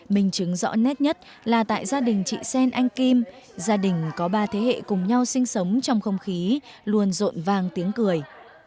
mình chứng rõ nét nhất là tại gia đình chị sen anh kim gia đình có ba thế hệ cùng nhau sinh sống trong không khí luôn rộn vàng tiếng cười